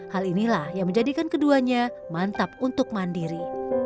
hal inilah yang menjadikan keduanya mantap untuk mandiri